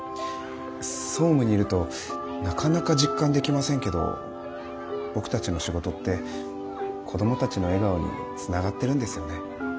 総務にいるとなかなか実感できませんけど僕たちの仕事って子どもたちの笑顔につながってるんですよね。